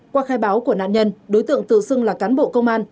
qua khai báo của nạn nhân đối tượng tự xưng là cán bộ công an